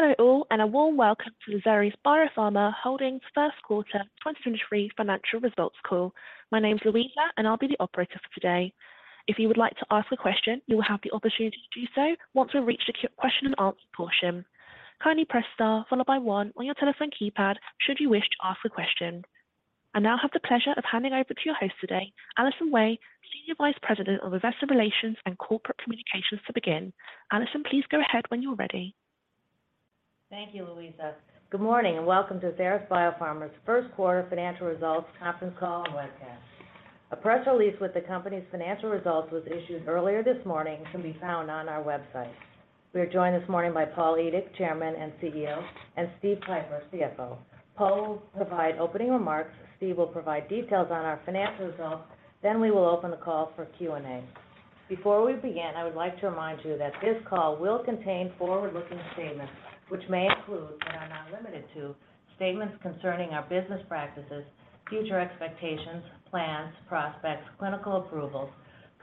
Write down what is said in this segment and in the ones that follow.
Hello all. A warm welcome to the Xeris Biopharma Holdings 1st quarter 2023 financial results call. My name's Louisa. I'll be the operator for today. If you would like to ask a question, you will have the opportunity to do so once we've reached the question and answer portion. Kindly press star followed by one on your telephone keypad should you wish to ask a question. I now have the pleasure of handing over to your host today, Allison Wey, Senior Vice President of Investor Relations and Corporate Communications to begin. Allison, please go ahead when you're ready. Thank you, Louisa. Good morning and welcome to Xeris Biopharma's first quarter financial results conference call and webcast. A press release with the company's financial results was issued earlier this morning and can be found on our website. We are joined this morning by Paul Edick, Chairman and CEO, and Steve Pieper, CFO. Paul will provide opening remarks. Steve will provide details on our financial results. We will open the call for Q&A. Before we begin, I would like to remind you that this call will contain forward-looking statements which may include, but are not limited to, statements concerning our business practices, future expectations, plans, prospects, clinical approvals,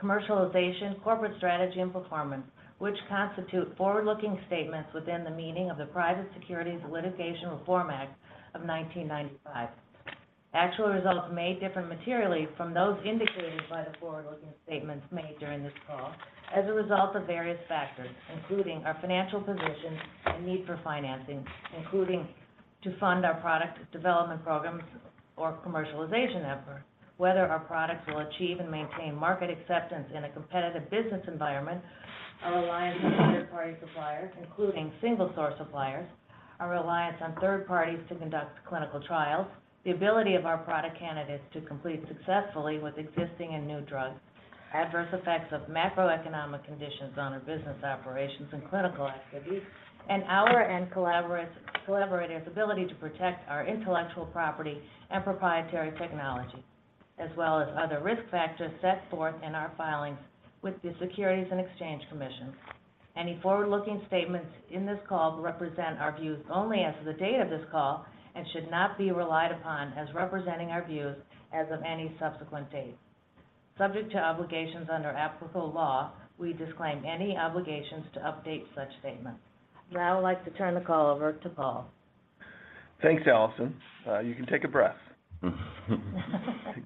commercialization, corporate strategy, and performance, which constitute forward-looking statements within the meaning of the Private Securities Litigation Reform Act of 1995. Actual results may differ materially from those indicated by the forward-looking statements made during this call as a result of various factors, including our financial position and need for financing, including to fund our product development programs or commercialization efforts, whether our products will achieve and maintain market acceptance in a competitive business environment, our reliance on third-party suppliers, including single-source suppliers, our reliance on third parties to conduct clinical trials, the ability of our product candidates to complete successfully with existing and new drugs, adverse effects of macroeconomic conditions on our business operations and clinical activities, and our and collaborators' ability to protect our intellectual property and proprietary technology, as well as other risk factors set forth in our filings with the Securities and Exchange Commission. Any forward-looking statements in this call represent our views only as of the date of this call and should not be relied upon as representing our views as of any subsequent date. Subject to obligations under applicable law, we disclaim any obligations to update such statements. I would like to turn the call over to Paul. Thanks, Allison. You can take a breath.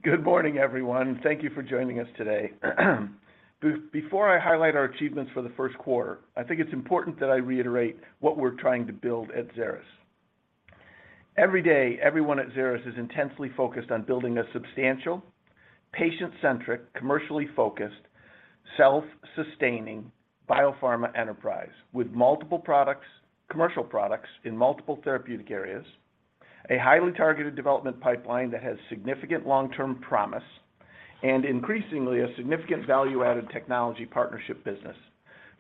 Good morning, everyone. Thank you for joining us today. Before I highlight our achievements for the first quarter, I think it's important that I reiterate what we're trying to build at Xeris. Every day, everyone at Xeris is intensely focused on building a substantial, patient-centric, commercially focused, self-sustaining biopharma enterprise with multiple products, commercial products in multiple therapeutic areas. A highly targeted development pipeline that has significant long-term promise and increasingly a significant value-added technology partnership business.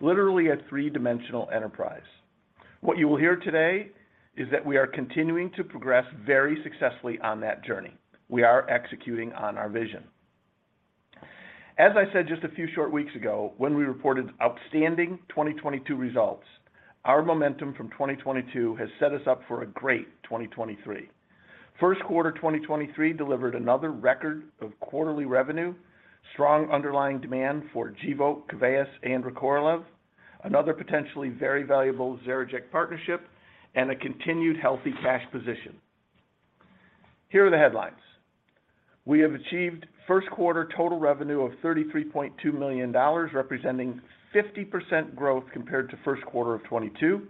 Literally a three-dimensional enterprise. What you will hear today is that we are continuing to progress very successfully on that journey. We are executing on our vision. As I said just a few short weeks ago when we reported outstanding 2022 results, our momentum from 2022 has set us up for a great 2023. First quarter 2023 delivered another record of quarterly revenue, strong underlying demand for Gvoke, KEVEYIS, and Recorlev, another potentially very valuable XeriJect partnership, and a continued healthy cash position. Here are the headlines. We have achieved first quarter total revenue of $33.2 million, representing 50% growth compared to first quarter of 2022.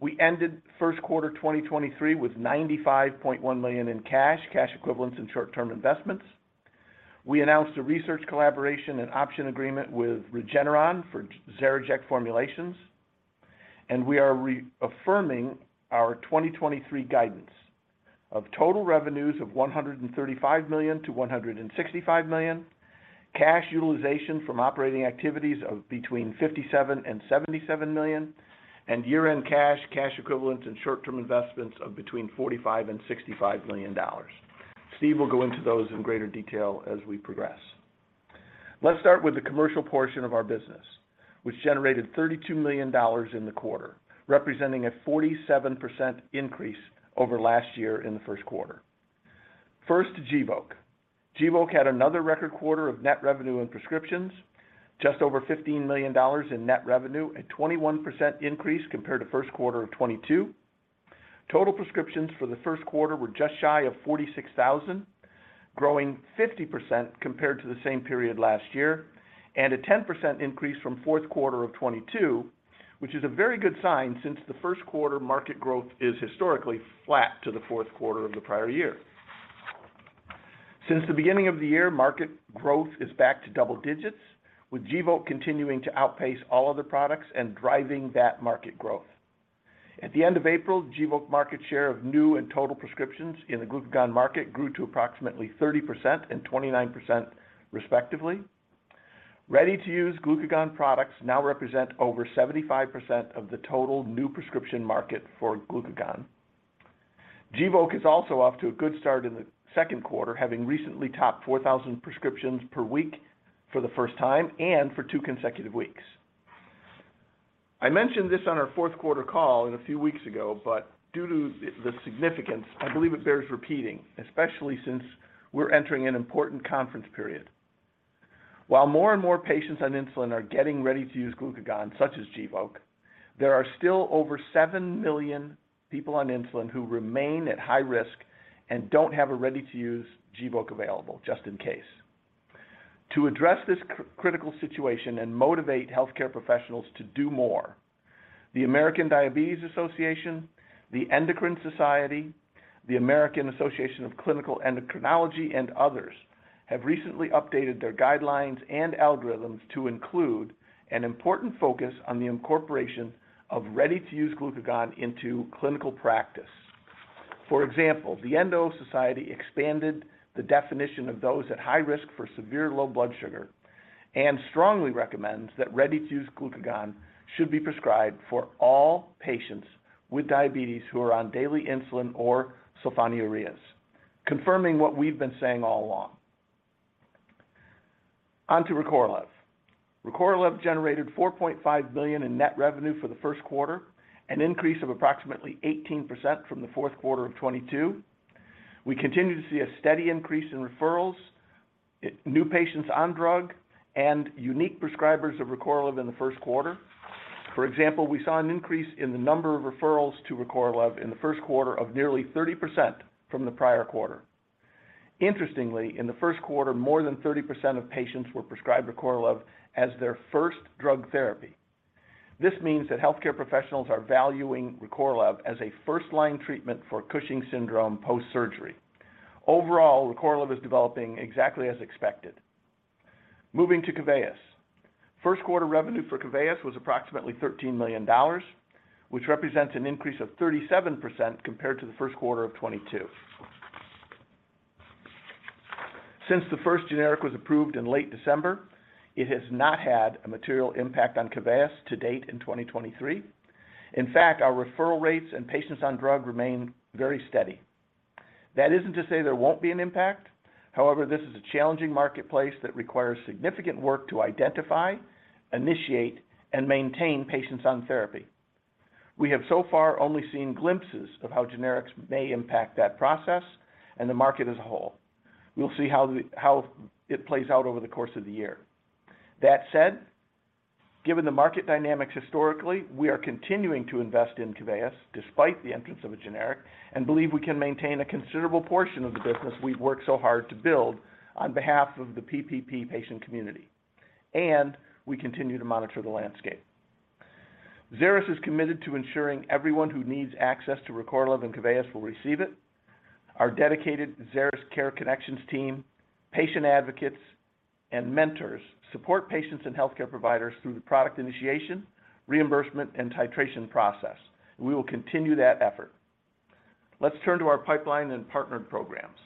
We ended first quarter 2023 with $95.1 million in cash equivalents, and short-term investments. We announced a research collaboration and option agreement with Regeneron for XeriJect formulations. We are re-affirming our 2023 guidance of total revenues of $135 million-$165 million, cash utilization from operating activities of between $57 million and $77 million, and year-end cash equivalents, and short-term investments of between $45 million and $65 million. Steve will go into those in greater detail as we progress. Let's start with the commercial portion of our business, which generated $32 million in the quarter, representing a 47% increase over last year in the first quarter. First, Gvoke. Gvoke had another record quarter of net revenue and prescriptions, just over $15 million in net revenue, a 21% increase compared to first quarter of 2022. Total prescriptions for the first quarter were just shy of 46,000, growing 50% compared to the same period last year, and a 10% increase from fourth quarter of 2022, which is a very good sign since the first quarter market growth is historically flat to the fourth quarter of the prior year. Since the beginning of the year, market growth is back to double digits, with Gvoke continuing to outpace all other products and driving that market growth. At the end of April, Gvoke market share of new and total prescriptions in the glucagon market grew to approximately 30% and 29% respectively. Ready-to-use glucagon products now represent over 75% of the total new prescription market for glucagon. Gvoke is also off to a good start in the second quarter, having recently topped 4,000 prescriptions per week for the first time and for two consecutive weeks. I mentioned this on our fourth quarter call a few weeks ago, but due to the significance, I believe it bears repeating, especially since we're entering an important conference period. While more and more patients on insulin are getting ready to use glucagon such as Gvoke, there are still over 7 million people on insulin who remain at high risk and don't have a ready-to-use Gvoke available just in case. To address this critical situation and motivate healthcare professionals to do more, the American Diabetes Association, the Endocrine Society, the American Association of Clinical Endocrinology, and others have recently updated their guidelines and algorithms to include an important focus on the incorporation of ready-to-use glucagon into clinical practice. For example, the Endocrine Society expanded the definition of those at high risk for severe low blood sugar and strongly recommends that ready-to-use glucagon should be prescribed for all patients with diabetes who are on daily insulin or sulfonylureas, confirming what we've been saying all along. On to Recorlev. Recorlev generated $4.5 billion in net revenue for the first quarter, an increase of approximately 18% from the fourth quarter of 2022. We continue to see a steady increase in referrals, new patients on drug, and unique prescribers of Recorlev in the first quarter. For example, we saw an increase in the number of referrals to Recorlev in the first quarter of nearly 30% from the prior quarter. Interestingly, in the first quarter, more than 30% of patients were prescribed Recorlev as their first drug therapy. This means that healthcare professionals are valuing Recorlev as a first-line treatment for Cushing's syndrome post-surgery. Overall, Recorlev is developing exactly as expected. Moving to KEVEYIS. First quarter revenue for KEVEYIS was approximately $13 million, which represents an increase of 37% compared to the first quarter of 2022. Since the first generic was approved in late December, it has not had a material impact on KEVEYIS to date in 2023. Our referral rates and patients on drug remain very steady. That isn't to say there won't be an impact. This is a challenging marketplace that requires significant work to identify, initiate, and maintain patients on therapy. We have so far only seen glimpses of how generics may impact that process and the market as a whole. We'll see how it plays out over the course of the year. That said, given the market dynamics historically, we are continuing to invest in KEVEYIS despite the entrance of a generic, and believe we can maintain a considerable portion of the business we've worked so hard to build on behalf of the PPP patient community, and we continue to monitor the landscape. Xeris is committed to ensuring everyone who needs access to Recorlev and KEVEYIS will receive it. Our dedicated Xeris CareConnections team, patient advocates, and mentors support patients and healthcare providers through the product initiation, reimbursement, and titration process. We will continue that effort. Let's turn to our pipeline and partnered programs.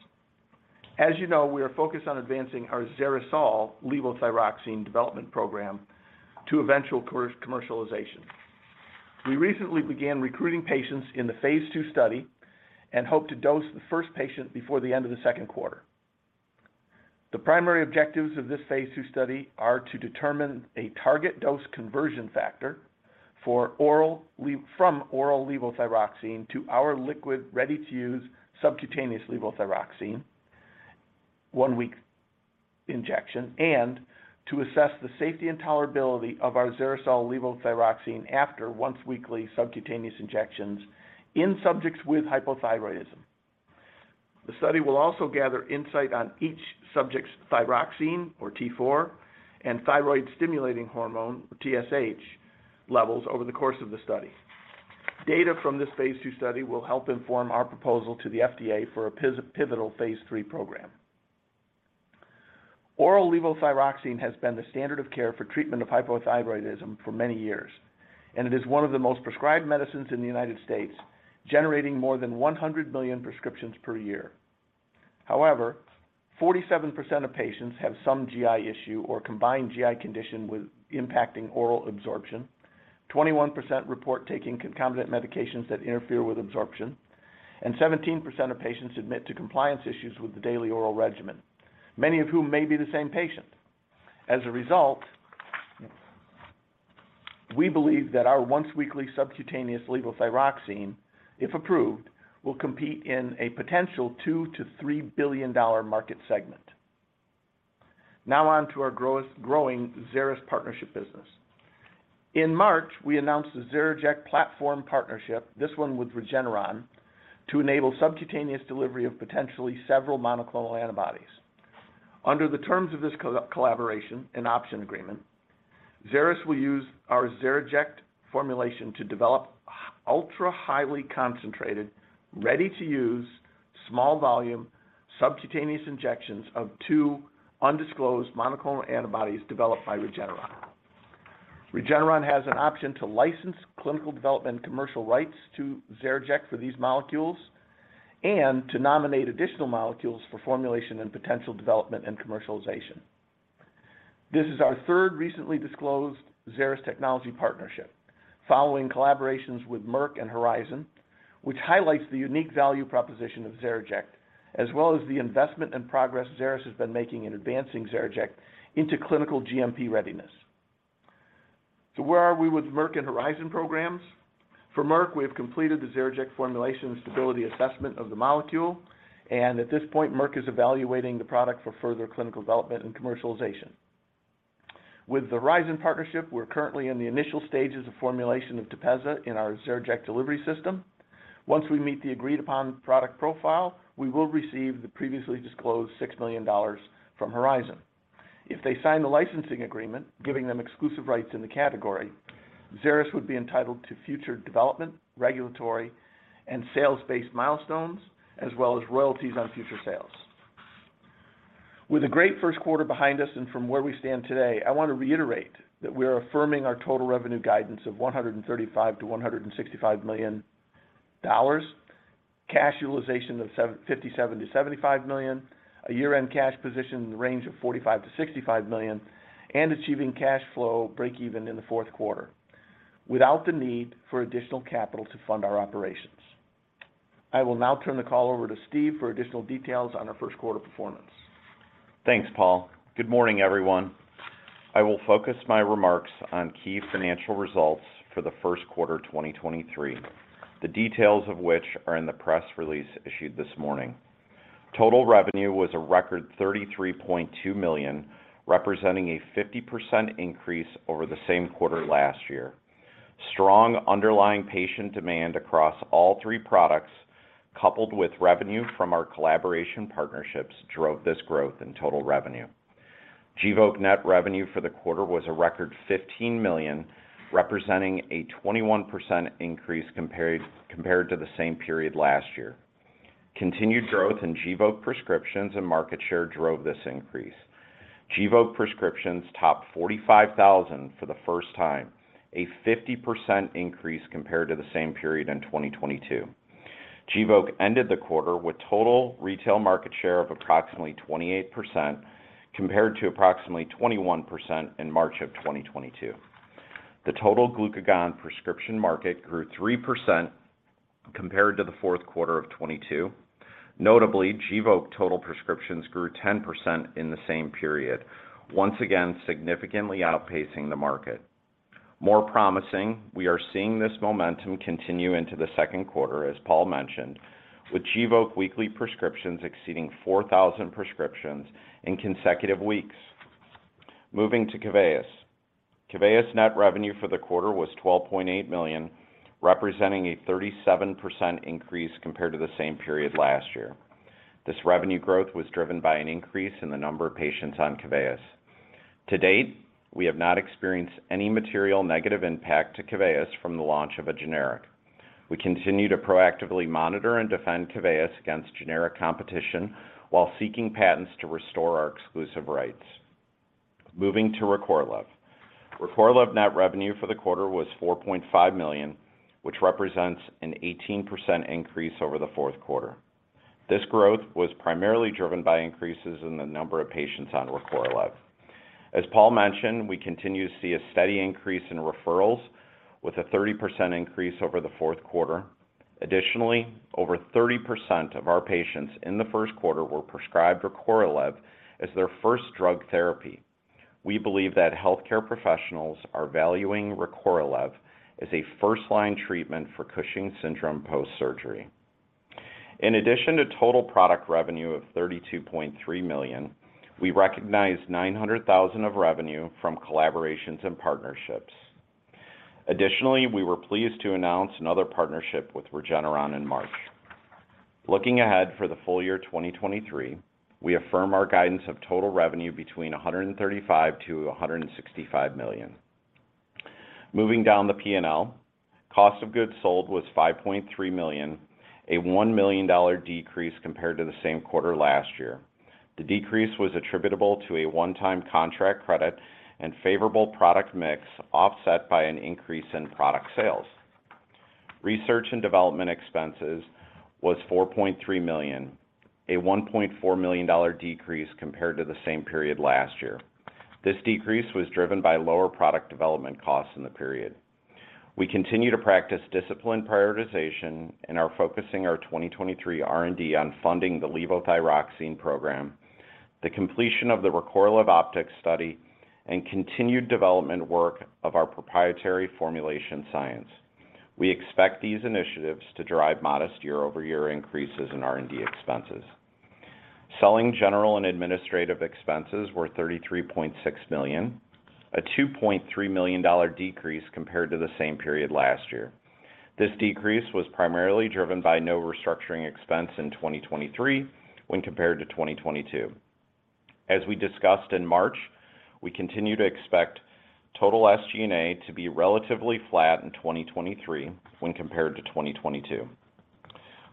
As you know, we are focused on advancing our XeriSol levothyroxine development program to eventual commercialization. We recently began recruiting patients in the phase II study and hope to dose the first patient before the end of the second quarter. The primary objectives of this phase II study are to determine a target dose conversion factor from oral levothyroxine to our liquid ready-to-use subcutaneous levothyroxine one-week injection and to assess the safety and tolerability of our XeriSol levothyroxine after once-weekly subcutaneous injections in subjects with hypothyroidism. The study will also gather insight on each subject's thyroxine or T4 and thyroid-stimulating hormone, TSH, levels over the course of the study. Data from this phase II study will help inform our proposal to the FDA for a pivotal phase III program. Oral levothyroxine has been the standard of care for treatment of hypothyroidism for many years. It is one of the most prescribed medicines in the United States, generating more than 100 million prescriptions per year. However, 47% of patients have some GI issue or combined GI condition with impacting oral absorption. 21% report taking concomitant medications that interfere with absorption. 17% of patients admit to compliance issues with the daily oral regimen, many of whom may be the same patient. As a result, we believe that our once-weekly subcutaneous levothyroxine, if approved, will compete in a potential $2 billion-$3 billion market segment. Now on to our growing Xeris partnership business. In March, we announced the XeriJect platform partnership, this one with Regeneron, to enable subcutaneous delivery of potentially several monoclonal antibodies. Under the terms of this collaboration and option agreement, Xeris will use our XeriJect formulation to develop ultra-highly concentrated, ready-to-use, small volume subcutaneous injections of two undisclosed monoclonal antibodies developed by Regeneron. Regeneron has an option to license clinical development and commercial rights to XeriJect for these molecules and to nominate additional molecules for formulation and potential development and commercialization. This is our third recently disclosed Xeris technology partnership following collaborations with Merck and Horizon, which highlights the unique value proposition of XeriJect, as well as the investment and progress Xeris has been making in advancing XeriJect into clinical GMP readiness. Where are we with Merck and Horizon programs? For Merck, we have completed the XeriJect formulation and stability assessment of the molecule. At this point, Merck is evaluating the product for further clinical development and commercialization. With the Horizon partnership, we're currently in the initial stages of formulation of TEPEZZA in our XeriJect delivery system. Once we meet the agreed-upon product profile, we will receive the previously disclosed $6 million from Horizon. If they sign the licensing agreement, giving them exclusive rights in the category, Xeris would be entitled to future development, regulatory, and sales-based milestones, as well as royalties on future sales. With a great first quarter behind us and from where we stand today, I want to reiterate that we are affirming our total revenue guidance of $135 million-$165 million, cash utilization of $57 million-$75 million, a year-end cash position in the range of $45 million-$65 million, and achieving cash flow breakeven in the fourth quarter without the need for additional capital to fund our operations. I will now turn the call over to Steve for additional details on our first quarter performance. Thanks, Paul. Good morning, everyone. I will focus my remarks on key financial results for the first quarter 2023, the details of which are in the press release issued this morning. Total revenue was a record $33.2 million, representing a 50% increase over the same quarter last year. Strong underlying patient demand across all three products, coupled with revenue from our collaboration partnerships, drove this growth in total revenue. Gvoke net revenue for the quarter was a record $15 million, representing a 21% increase compared to the same period last year. Continued growth in Gvoke prescriptions and market share drove this increase. Gvoke prescriptions topped 45,000 for the first time, a 50% increase compared to the same period in 2022. Gvoke ended the quarter with total retail market share of approximately 28%, compared to approximately 21% in March of 2022. The total glucagon prescription market grew 3% compared to the fourth quarter of 2022. Notably, Gvoke total prescriptions grew 10% in the same period, once again, significantly outpacing the market. More promising, we are seeing this momentum continue into the second quarter, as Paul mentioned, with Gvoke weekly prescriptions exceeding 4,000 prescriptions in consecutive weeks. Moving to KEVEYIS. KEVEYIS net revenue for the quarter was $12.8 million, representing a 37% increase compared to the same period last year. This revenue growth was driven by an increase in the number of patients on KEVEYIS. To date, we have not experienced any material negative impact to KEVEYIS from the launch of a generic. We continue to proactively monitor and defend KEVEYIS against generic competition while seeking patents to restore our exclusive rights. Moving to RECORLEV. RECORLEV net revenue for the quarter was $4.5 million, which represents an 18% increase over the fourth quarter. This growth was primarily driven by increases in the number of patients on RECORLEV. As Paul mentioned, we continue to see a steady increase in referrals with a 30% increase over the fourth quarter. Over 30% of our patients in the first quarter were prescribed RECORLEV as their first drug therapy. We believe that healthcare professionals are valuing RECORLEV as a first-line treatment for Cushing's syndrome post-surgery. In addition to total product revenue of $32.3 million, we recognized $900,000 of revenue from collaborations and partnerships. We were pleased to announce another partnership with Regeneron in March. Looking ahead for the full year 2023, we affirm our guidance of total revenue between $135 million-$165 million. Moving down the P&L, cost of goods sold was $5.3 million, a $1 million decrease compared to the same quarter last year. The decrease was attributable to a one-time contract credit and favorable product mix, offset by an increase in product sales. Research and development expenses was $4.3 million, a $1.4 million decrease compared to the same period last year. This decrease was driven by lower product development costs in the period. We continue to practice disciplined prioritization and are focusing our 2023 R&D on funding the levothyroxine program, the completion of the RECORLEV OPTICS study, and continued development work of our proprietary formulation science. We expect these initiatives to drive modest year-over-year increases in R&D expenses. Selling general and administrative expenses were $33.6 million, a $2.3 million decrease compared to the same period last year. This decrease was primarily driven by no restructuring expense in 2023 when compared to 2022. As we discussed in March, we continue to expect total SG&A to be relatively flat in 2023 when compared to 2022.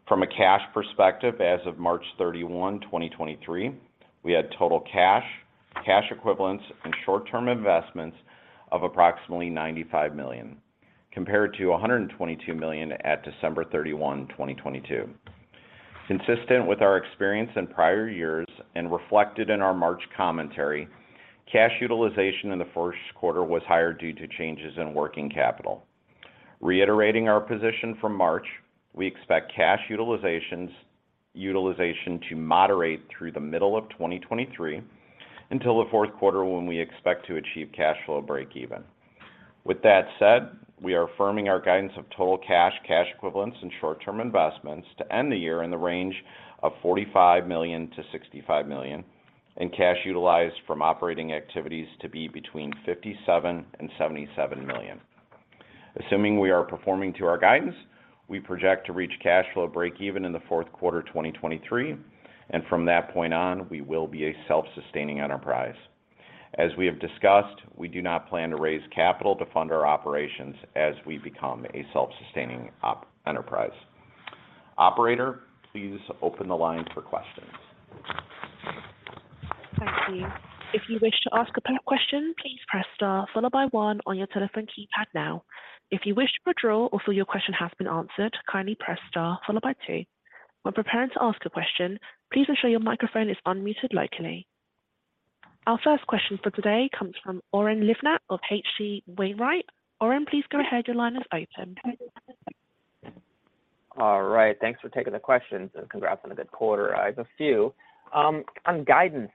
From a cash perspective, as of March 31, 2023, we had total cash equivalents, and short-term investments of approximately $95 million, compared to $122 million at December 31, 2022. Consistent with our experience in prior years and reflected in our March commentary, cash utilization in the first quarter was higher due to changes in working capital. Reiterating our position from March, we expect cash utilization to moderate through the middle of 2023 until the fourth quarter, when we expect to achieve cash flow break even. With that said, we are affirming our guidance of total cash equivalents, and short-term investments to end the year in the range of $45 million-$65 million, and cash utilized from operating activities to be between $57 million and $77 million. Assuming we are performing to our guidance, we project to reach cash flow break even in the fourth quarter, 2023, and from that point on, we will be a self-sustaining enterprise. As we have discussed, we do not plan to raise capital to fund our operations as we become a self-sustaining enterprise. Operator, please open the line for questions. Thank you. If you wish to ask a question, please press star followed by one on your telephone keypad now. If you wish to withdraw or feel your question has been answered, kindly press star followed by two. When preparing to ask a question, please ensure your microphone is unmuted locally. Our first question for today comes from Oren Livnat of H.C. Wainwright & Co. Oren, please go ahead. Your line is open. All right. Thanks for taking the questions and congrats on a good quarter. I have a few. On guidance,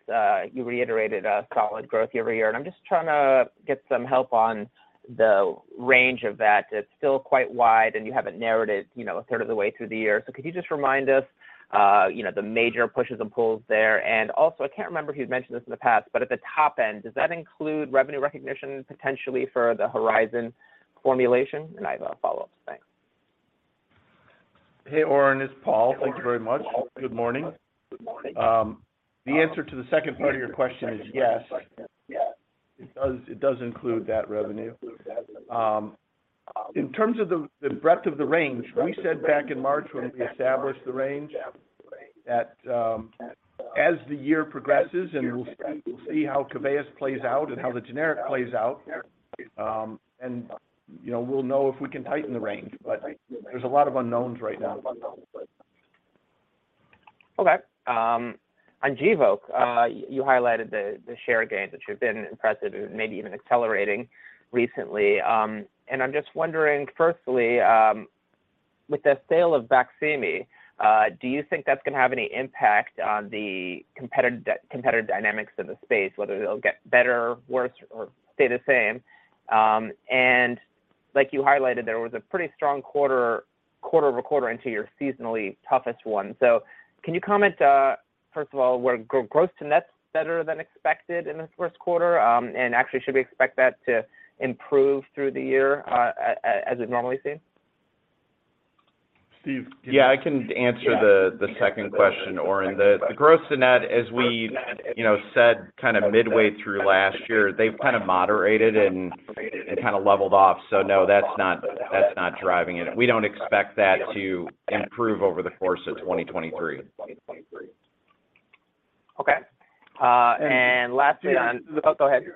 you reiterated solid growth year-over-year, I'm just trying to get some help on the range of that. It's still quite wide, you haven't narrowed it, you know, a third of the way through the year. Could you just remind us, you know, the major pushes and pulls there? Also, I can't remember if you'd mentioned this in the past, but at the top end, does that include revenue recognition potentially for the Horizon formulation? I have a follow-up. Thanks. Hey, Oren, it's Paul. Thank you very much. Good morning. Good morning. The answer to the second part of your question is yes. It does, it does include that revenue. In terms of the breadth of the range, we said back in March when we established the range that as the year progresses and we'll see, we'll see how KEVEYIS plays out and how the generic plays out, and, you know, we'll know if we can tighten the range. There's a lot of unknowns right now. On Gvoke, you highlighted the share gains, which have been impressive and maybe even accelerating recently. I'm just wondering, firstly, with the sale of Baqsimi, do you think that's gonna have any impact on the competitive dynamics of the space, whether it'll get better, worse, or stay the same? Like you highlighted, there was a pretty strong quarter over quarter into your seasonally toughest one. Can you comment, first of all, were gross to nets better than expected in the first quarter? Actually, should we expect that to improve through the year, as it normally sees? Steve. Yeah, I can answer the second question, Oren. The gross to net, as we, you know, said kinda midway through last year, they've kinda moderated and kinda leveled off. No, that's not driving it. We don't expect that to improve over the course of 2023. Okay. And lastly on... Oh, go ahead.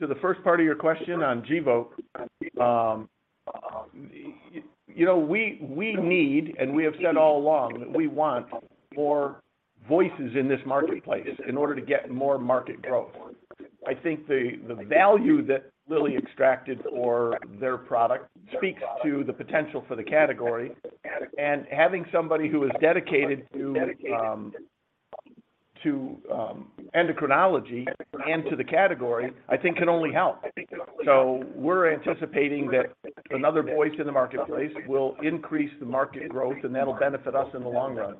Well, look, to the first part of your question on Gvoke, you know, we need, and we have said all along that we want more voices in this marketplace in order to get more market growth. I think the value that Lilly extracted or their product speaks to the potential for the category. Having somebody who is dedicated to endocrinology and to the category, I think can only help. We're anticipating that another voice in the marketplace will increase the market growth, and that'll benefit us in the long run.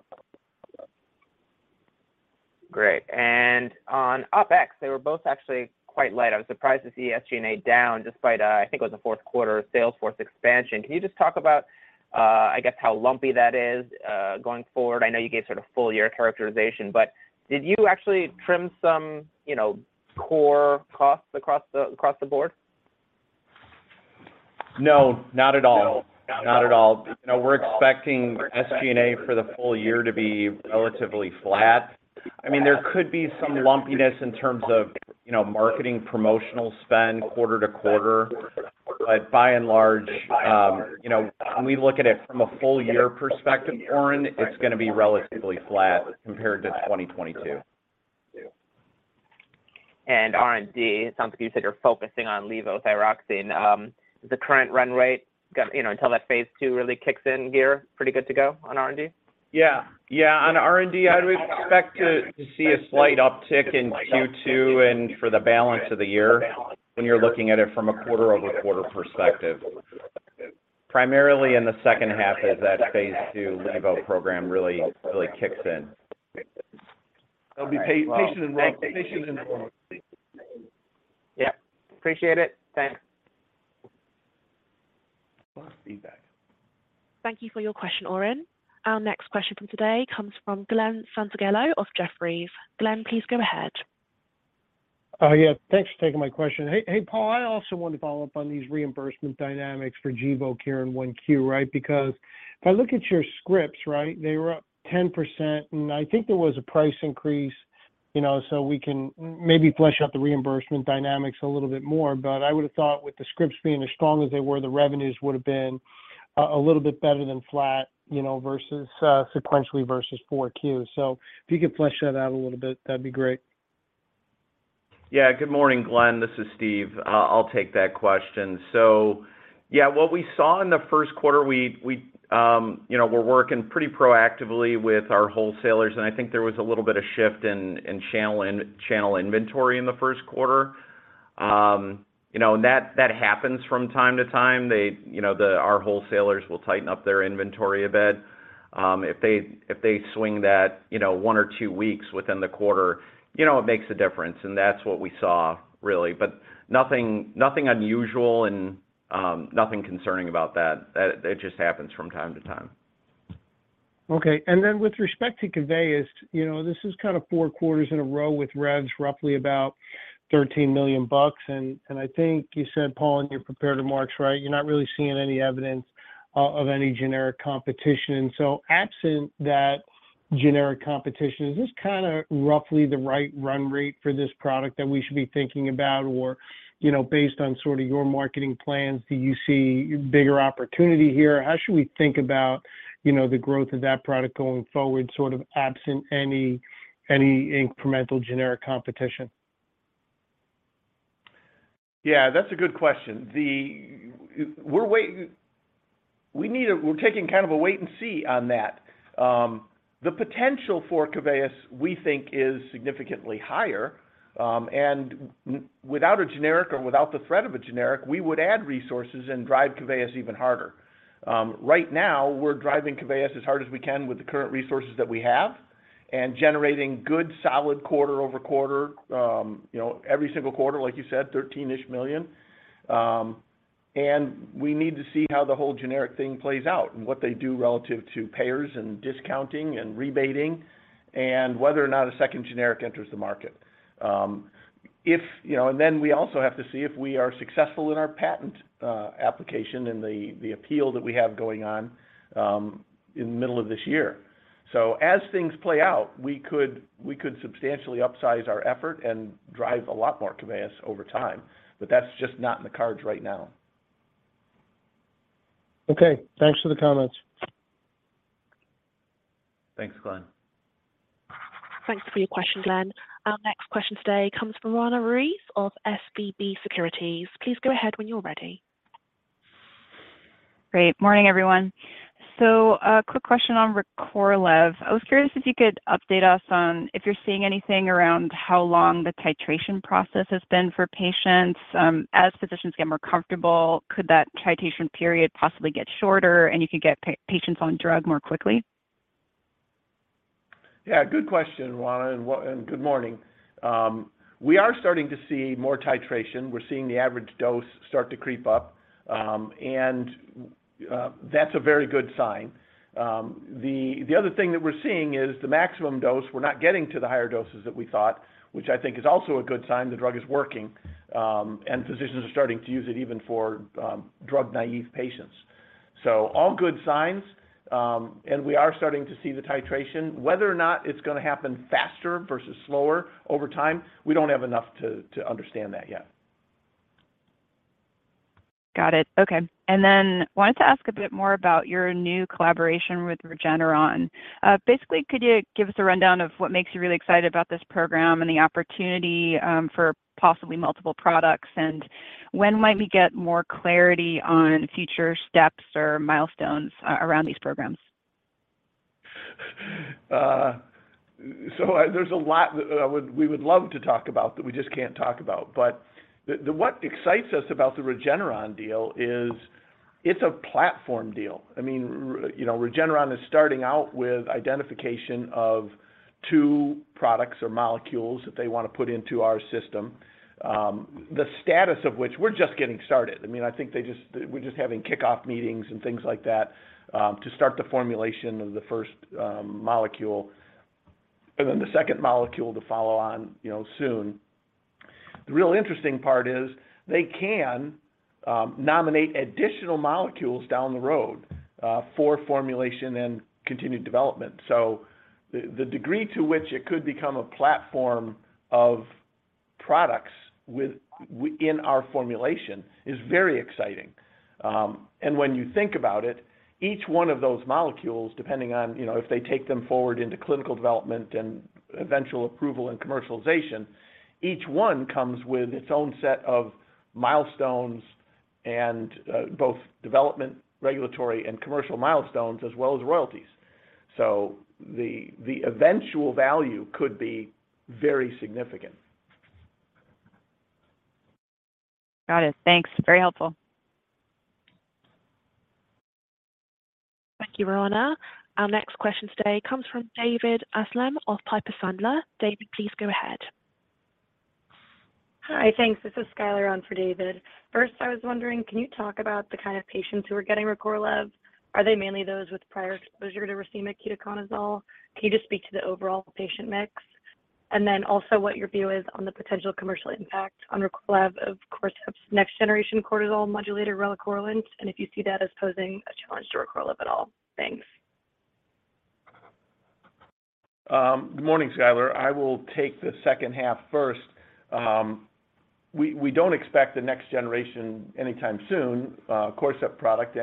Great. On OpEx, they were both actually quite light. I was surprised to see SG&A down despite, I think it was a fourth quarter sales force expansion. Can you just talk about, I guess, how lumpy that is going forward? I know you gave sort of full year characterization, but did you actually trim some, you know, core costs across the board? No, not at all. Not at all. You know, we're expecting SG&A for the full year to be relatively flat. I mean, there could be some lumpiness in terms of, you know, marketing promotional spend quarter to quarter. By and large, you know, when we look at it from a full year perspective, Oren, it's gonna be relatively flat compared to 2022. R&D, it sounds like you said you're focusing on levothyroxine. Is the current run rate got, you know, until that phase II really kicks in gear, pretty good to go on R&D? Yeah. Yeah. On R&D, I would expect to see a slight uptick in Q2 and for the balance of the year when you're looking at it from a quarter-over-quarter perspective. Primarily in the second half as that phase II Linvo program really kicks in. It'll be patient and wrong. Patient and wrong. Yeah. Appreciate it. Thanks. Feedback. Thank you for your question, Oren. Our next question from today comes from Glen Santangelo of Jefferies. Glenn, please go ahead. Yeah, thanks for taking my question. Hey, Paul, I also want to follow up on these reimbursement dynamics for Gvoke care in 1Q, right? If I look at your scripts, right, they were up 10%, and I think there was a price increase, you know, so we can maybe flesh out the reimbursement dynamics a little bit more. I would have thought with the scripts being as strong as they were, the revenues would have been a little bit better than flat, you know, versus sequentially versus 4Q. If you could flesh that out a little bit, that'd be great. Yeah. Good morning, Glen. This is Steve. I'll take that question. Yeah, what we saw in the first quarter, we, you know, we're working pretty proactively with our wholesalers, and I think there was a little bit of shift in channel inventory in the first quarter. You know, and that happens from time to time. They, you know, our wholesalers will tighten up their inventory a bit. If they swing that, you know, one or two weeks within the quarter, you know it makes a difference, and that's what we saw really. Nothing unusual and nothing concerning about that. It just happens from time to time. Okay. With respect to KEVEYIS, you know, this is kind of four quarters in a row with revs roughly about $13 million, I think you said, Paul, you're prepared to mark, right? You're not really seeing any evidence of any generic competition. Absent that generic competition, is this kind of roughly the right run rate for this product that we should be thinking about? You know, based on sort of your marketing plans, do you see bigger opportunity here? How should we think about, you know, the growth of that product going forward, sort of absent any incremental generic competition? That's a good question. We're taking kind of a wait and see on that. The potential for KEVEYIS, we think is significantly higher. Without a generic or without the threat of a generic, we would add resources and drive KEVEYIS even harder. Right now, we're driving KEVEYIS as hard as we can with the current resources that we have and generating good solid quarter-over-quarter, you know, every single quarter, like you said, $13-ish million. We need to see how the whole generic thing plays out and what they do relative to payers and discounting and rebating, and whether or not a second generic enters the market. If, you know... We also have to see if we are successful in our patent application and the appeal that we have going on in the middle of this year. As things play out, we could substantially upsize our effort and drive a lot more KEVEYIS over time, but that's just not in the cards right now. Okay, thanks for the comments. Thanks, Glenn. Thanks for your question, Glenn. Our next question today comes from Roanna Ruiz of SVB Securities. Please go ahead when you're ready. Great. Morning, everyone. A quick question on RECORLEV. I was curious if you could update us on if you're seeing anything around how long the titration process has been for patients. As physicians get more comfortable, could that titration period possibly get shorter and you could get patients on drug more quickly? Good question, Roanna, and good morning. We are starting to see more titration. We're seeing the average dose start to creep up, and that's a very good sign. The other thing that we're seeing is the maximum dose, we're not getting to the higher doses that we thought, which I think is also a good sign the drug is working, and physicians are starting to use it even for drug-naive patients. All good signs, and we are starting to see the titration. Whether or not it's gonna happen faster versus slower over time, we don't have enough to understand that yet. Got it. Okay. Wanted to ask a bit more about your new collaboration with Regeneron. Basically, could you give us a rundown of what makes you really excited about this program and the opportunity for possibly multiple products? When might we get more clarity on future steps or milestones around these programs? There's a lot we would love to talk about that we just can't talk about. The what excites us about the Regeneron deal is it's a platform deal. I mean you know, Regeneron is starting out with identification of two products or molecules that they wanna put into our system, the status of which we're just getting started. I mean, I think they just we're just having kickoff meetings and things like that, to start the formulation of the first molecule, and then the second molecule to follow on, you know, soon. The real interesting part is they can nominate additional molecules down the road for formulation and continued development. The degree to which it could become a platform of products with in our formulation is very exciting. When you think about it, each one of those molecules, depending on, you know, if they take them forward into clinical development and eventual approval and commercialization, each one comes with its own set of milestones and, both development, regulatory, and commercial milestones, as well as royalties. The, the eventual value could be very significant. Got it. Thanks. Very helpful. Thank you, Roanna. Our next question today comes from David Amsellem of Piper Sandler. David, please go ahead. Hi. Thanks. This is Skyler on for David. I was wondering, can you talk about the kind of patients who are getting RECORLEV? Are they mainly those with prior exposure to ketoconazole? Can you just speak to the overall patient mix? Also what your view is on the potential commercial impact on RECORLEV of Corcept's next generation cortisol modulator, relacorilant, and if you see that as posing a challenge to RECORLEV at all. Thanks. Good morning, Skyler. I will take the second half first. We don't expect the next generation anytime soon, Corcept product.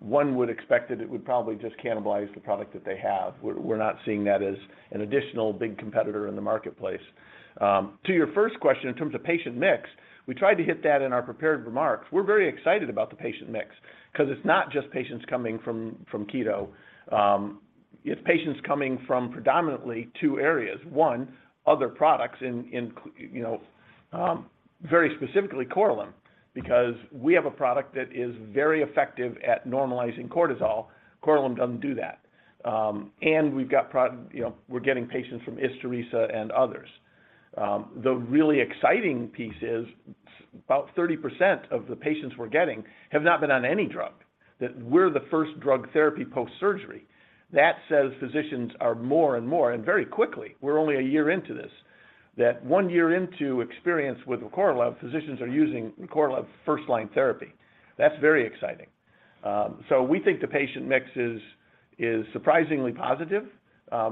One would expect that it would probably just cannibalize the product that they have. We're not seeing that as an additional big competitor in the marketplace. To your first question, in terms of patient mix, we tried to hit that in our prepared remarks. We're very excited about the patient mix 'cause it's not just patients coming from keto. It's patients coming from predominantly two areas. One, other products in, you know, very specifically Korlym. Because we have a product that is very effective at normalizing cortisol, Korlym doesn't do that. We've got, you know, we're getting patients from ISTURISA and others. The really exciting piece is about 30% of the patients we're getting have not been on any drug. That we're the first drug therapy post-surgery. That says physicians are more and more, and very quickly, we're only a year into this, that one year into experience with Recorlev, physicians are using Recorlev first line therapy. That's very exciting. We think the patient mix is surprisingly positive.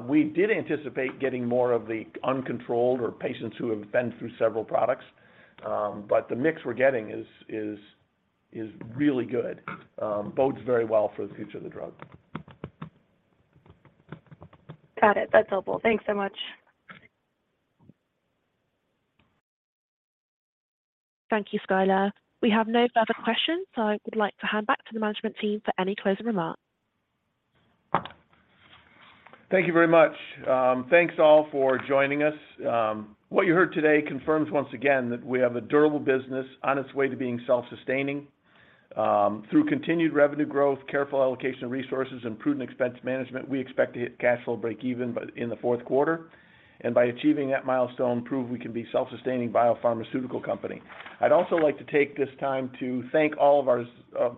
We did anticipate getting more of the uncontrolled or patients who have been through several products. The mix we're getting is really good. Bodes very well for the future of the drug. Got it. That's helpful. Thanks so much. Thank you, Skyler. We have no further questions. I would like to hand back to the management team for any closing remarks. Thank you very much. Thanks all for joining us. What you heard today confirms once again that we have a durable business on its way to being self-sustaining. Through continued revenue growth, careful allocation of resources, and prudent expense management, we expect to hit cash flow break even in the fourth quarter. By achieving that milestone, prove we can be a self-sustaining biopharmaceutical company. I'd also like to take this time to thank all of our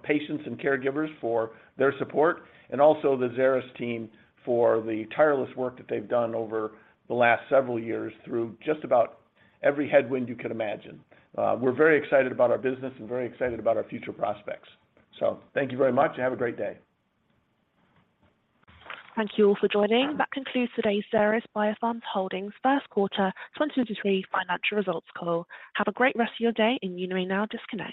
patients and caregivers for their support, and also the Xeris team for the tireless work that they've done over the last several years through just about every headwind you can imagine. We're very excited about our business and very excited about our future prospects. Thank you very much and have a great day. Thank you all for joining. That concludes today's Xeris Biopharma Holdings first quarter 2023 financial results call. Have a great rest of your day, and you may now disconnect.